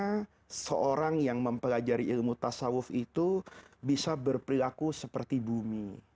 bagaimana seorang yang mempelajari ilmu tasawuf itu bisa berperilaku seperti bumi